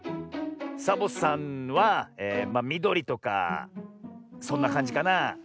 サボさんはみどりとかそんなかんじかなあ。